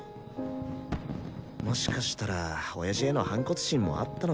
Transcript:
もしかしたら親父への反骨心もあったのかも。